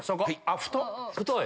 太い。